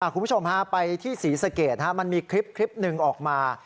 คุณผู้ชมฮะไปที่ศรีสะเกดมันมีคลิปหนึ่งออกมา